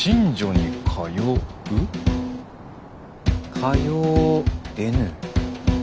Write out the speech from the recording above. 通えぬ。